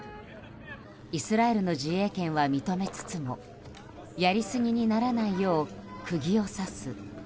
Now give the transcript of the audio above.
イスラエルの自衛権は認めつつもやりすぎにならないよう釘を刺す。